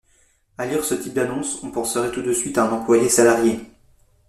À lire ce type d’annonce, on penserait tout de suite à un emploi salarié.